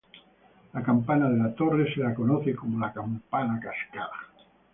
La campana de la torre se la conoce como "campana cascada".